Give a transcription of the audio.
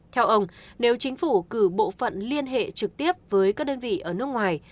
theo ông nếu chính phủ cử bộ phận liên hệ trực tiếp với các đơn vị ở nước ngoài